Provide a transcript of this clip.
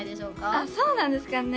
あっそうなんですかね？